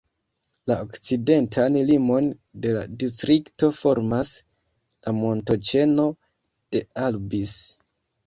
La okcidentan limon de la distrikto formas la montoĉeno de Albis.